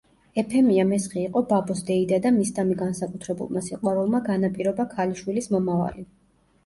ეფემია მესხი იყო ბაბოს დეიდა და მისდამი განსაკუთრებულმა სიყვარულმა განაპირობა ქალიშვილის მომავალი.